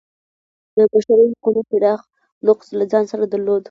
د بشري حقونو پراخ نقض له ځان سره درلود.